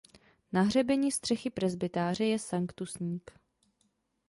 Na hřebeni střechy presbytáře je sanktusník.